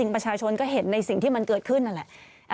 ประชาชนก็เห็นในสิ่งที่มันเกิดขึ้นนั่นแหละ